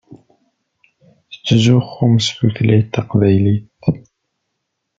Tettzuxxumt s tutlayt taqbaylit.